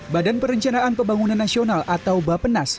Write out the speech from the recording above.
badan perencanaan pembangunan nasional atau bapenas